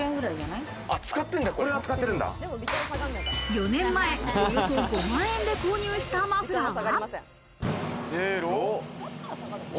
４年前、およそ５万円で購入したマフラーは？